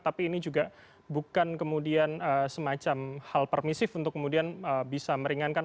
tapi ini juga bukan kemudian semacam hal permisif untuk kemudian bisa meringankan